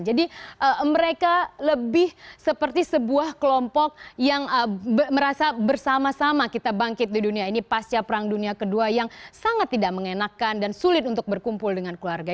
jadi mereka lebih seperti sebuah kelompok yang merasa bersama sama kita bangkit di dunia ini pasca perang dunia kedua yang sangat tidak mengenakan dan sulit untuk berkumpul dengan keluarga